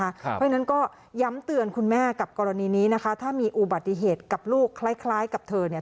เพราะฉะนั้นก็ย้ำเตือนคุณแม่กับกรณีนี้นะคะถ้ามีอุบัติเหตุกับลูกคล้ายกับเธอเนี่ย